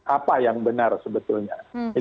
apa yang benar sebetulnya